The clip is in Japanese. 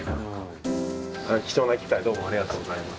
貴重な機会どうもありがとうございました。